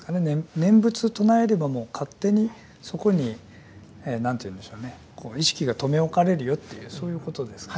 念仏唱えればもう勝手にそこに何ていうんでしょうねこう意識が留め置かれるよというそういうことですかね。